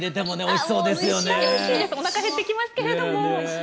おなか減ってきますけれども。